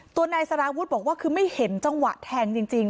ตัวนายสารวุฒิบอกว่าคือไม่เห็นจังหวะแทงจริง